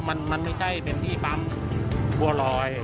มันไม่ใช่เป็นที่ปั๊มบัวลอย